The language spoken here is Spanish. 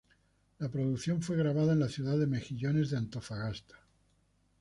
La producción fue grabada en la ciudad de Mejillones de Antofagasta.